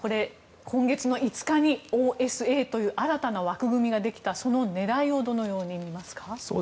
今月の５日にＯＳＡという新たな枠組みができたその狙いをどのように見ますか。